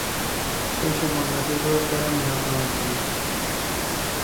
শেষে বন্য শূকরের দ্বারা নিহত হন তিনি।